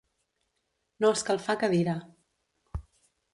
No escalfar cadira.